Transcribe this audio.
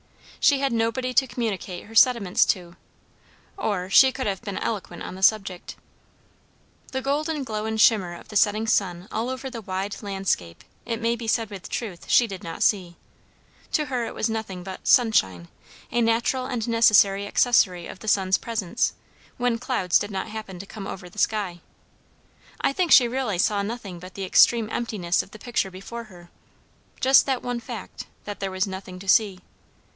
She had nobody to communicate her sentiments to, or she could have been eloquent on the subject. The golden glow and shimmer of the setting sun all over the wide landscape, it may be said with truth, she did not see; to her it was nothing but "sunshine," a natural and necessary accessory of the sun's presence, when clouds did not happen to come over the sky. I think she really saw nothing but the extreme emptiness of the picture before her; just that one fact, that there was nothing to see.